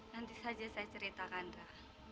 nanti saja saya ceritakan dra